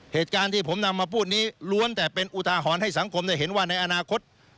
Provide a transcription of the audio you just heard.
เหตุการณ์ที่ผมนำมาพูดนี้ล้วนแต่เป็นอุทาหรณ์ให้สังคมได้เห็นว่าในอนาคต